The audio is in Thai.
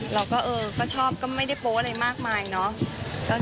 เราก็เออก็ชอบก็ไม่ได้โป๊อะไรมากมายเนาะ